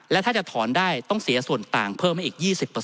และถ้าจะถอนได้ต้องเสียส่วนต่างเพิ่มมาอีก๒๐